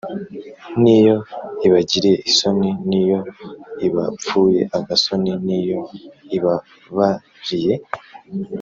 . N’iyo ibagiriye isoni: N’iyo ibapfuye agasoni, n’iyo ibababariye.